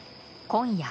今夜。